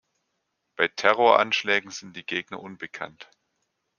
Bei Terroranschlägen sind die Gegner unbekannt.